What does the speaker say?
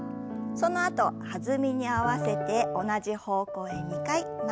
そのあと弾みに合わせて同じ方向へ２回曲げて戻します。